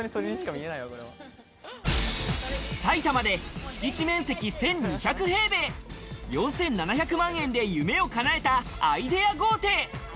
埼玉で敷地面積１２００平米、４７００万円で夢をかなえたアイデア豪邸。